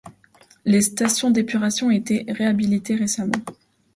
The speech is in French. Les stations d'épuration ont été réhabilitées récemment.